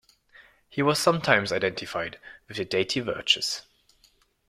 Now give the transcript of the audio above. He was sometimes identified with the deity Virtus.